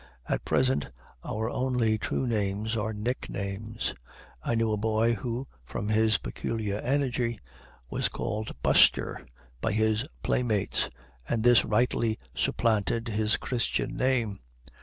At present our only true names are nicknames. I knew a boy who, from his peculiar energy, was called "Buster" by his playmates, and this rightly supplanted his Christian name.